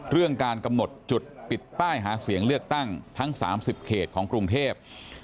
เรื่องการกำหนดจุดปิดป้ายหาเสียงเลือกตั้งทั้ง๓๐เขตของกรุงเทพ